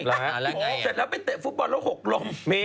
เริ่มไปเตะฟุตบอลครบ๖กลม